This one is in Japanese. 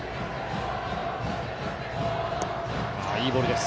いいボールです。